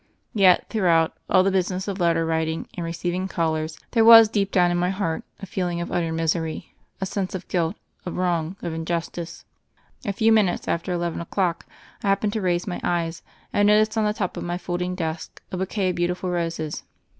Yet, through out all the business of letter writing and re ceiving callers, there was deep down in my heart a feeling of utter misery, a sense of guilt, of wrong, of injustice. A few minutes after eleven o'clock I hap pened to raise my eyes and noticed on the top of my folding desk a bouquet of beautiful roses.